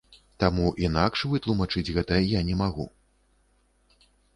Таму інакш вытлумачыць гэта я не магу.